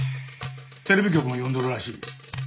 テレビ局も呼んどるらしい。